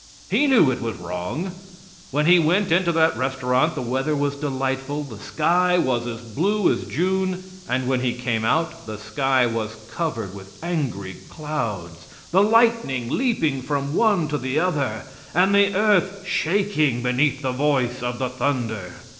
He knew it was wrong. When he went into that restaurant the weather was delightful, the sky was as blue as June, and when he came out the sky was covered with angry clouds, the lightning leaping from one to the other, and the earth shaking beneath the voice of the thunder.